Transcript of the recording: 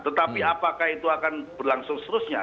tetapi apakah itu akan berlangsung seterusnya